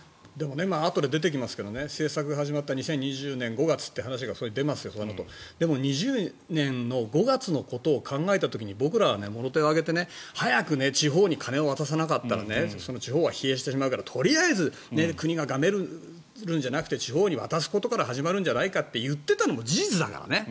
あとで出てきますが政策が始まった２０２０年５月そこに出ていますけど２０２０年の５月のことを考えた時に僕らはもろ手を挙げて早く地方に金を渡さなかったら地方は疲弊してしまうからとりあえず国ががめるんじゃなくて地方に渡すことから始まるんじゃないかと言っていたのも事実だからね。